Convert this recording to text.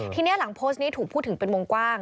ทีนี้หลังโพสต์นี้ถูกพูดถึงเป็นวงกว้าง